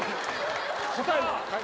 答えは？